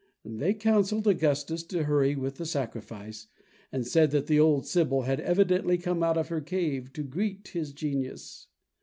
They counseled Augustus to hurry with the sacrifice, and said that the old sibyl had evidently come out of her cave to greet his genius.